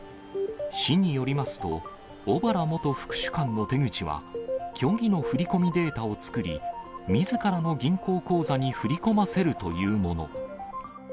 市によりますと、小原元副主幹の手口は、虚偽の振り込みデータを作り、みずからの銀行口座に振り込ませるというもの。